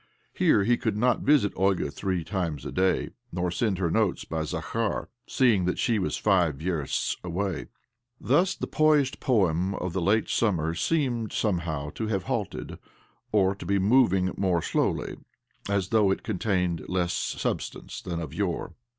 ■Here he could not visit Olga three times a day, nor send her notes by Zakhar, seeing that she was five versts away. Thus the posied poem of the late sumtaer seemed somehow to have halted, pr to be moving more slowly, as though it contained less sub stance than of yore.